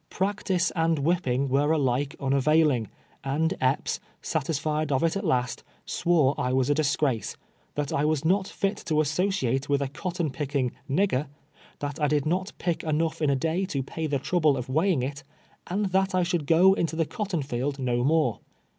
Practice and whipping were alike nnavailing, and Epps, satisfied of it at last, swore I was a disgrace — that I was not fit to associate with a cot ton picking "nigger" — ^that I could not pick enough in a day to pay the trouble of weighing it, and that I should go into the cotton field no more.